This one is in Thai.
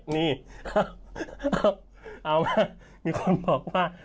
มีคนบอกว่า